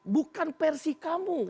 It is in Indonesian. bukan versi kamu